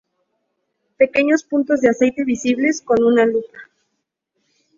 Pequeños puntos de aceite visibles con una lupa.